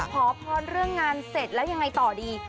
ขอพรเรื่องงานเสร็จแล้วยังไงต่อดี